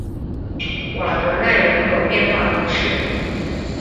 瓦德奈人口变化图示